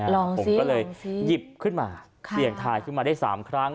ผมก็เลยหยิบขึ้นมาเสี่ยงทายขึ้นมาได้๓ครั้ง